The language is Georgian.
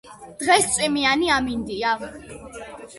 დღეს წვიმიანი ამინდია